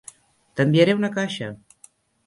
T'enviaré una caixa.